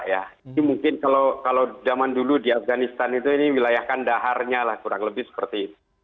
ini mungkin kalau zaman dulu di afganistan itu ini wilayah kandaharnya lah kurang lebih seperti itu